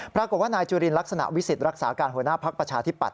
ปรากฎว่านายจุฬินลักษณะวิสิทธิ์รักษาการหัวหน้าพักประชาธิบัตร